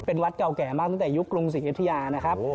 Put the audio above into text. เป็นวัดเก่าแก่มากตั้งแต่ยุคกรุงศรีอยุธยานะครับ